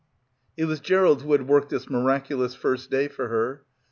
It was Gerald who had worked this miraculous first day for her.